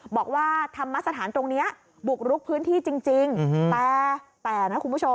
บอกว่าธรรมสถานตรงนี้บุกรุกพื้นที่จริงแต่นะคุณผู้ชม